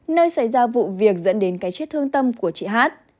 nơi xảy ra vụ việc dẫn đến cái chết thương tâm của chị hát